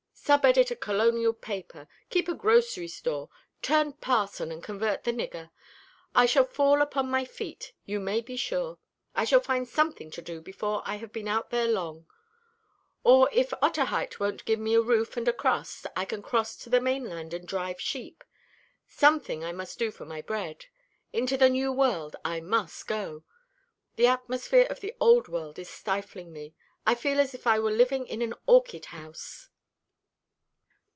Sub edit a colonial paper, keep a grocery store, turn parson and convert the nigger. I shall fall upon my feet, you may be sure. I shall find something to do before I have been out there long. Or if Otaheite won't give me a roof and a crust, I can cross to the mainland and drive sheep. Something I must do for my bread. Into the new world I must go. The atmosphere of the old world is stifling me. I feel as if I was living in an orchid house."